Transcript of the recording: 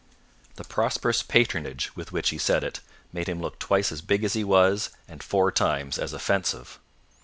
The prosperous patronage with which he said it, made him look twice as big as he was, and four times as offensive.